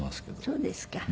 そうですか。